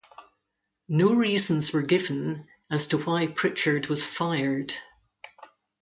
No reasons were given as to why Pritchard was fired.